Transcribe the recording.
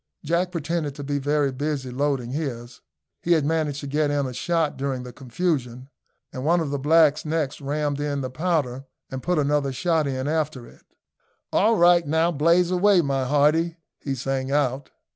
Jack pretended to be very busy loading his. He had managed to get in a shot during the confusion, and one of the blacks next rammed in the powder and put another shot in after it. "All right! now blaze away, my hearty!" he sang out.